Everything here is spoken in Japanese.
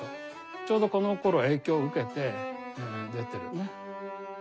ちょうどこのころ影響を受けて出てるね。